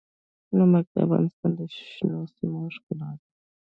نمک د افغانستان د شنو سیمو ښکلا ده.